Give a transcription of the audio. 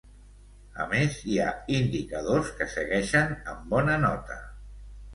A més, hi ha indicadors que segueixen amb bona nota.